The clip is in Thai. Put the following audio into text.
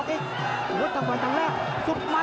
ติดตามยังน้อยกว่า